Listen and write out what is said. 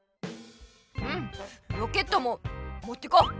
うんロケットももってこう。